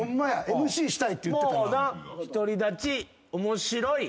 ＭＣしたいって言ってたな。